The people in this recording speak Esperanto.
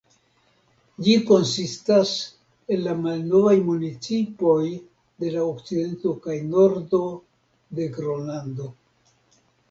Ĝi konsistas el la malnovaj municipoj de la okcidento kaj nordo de Gronlando.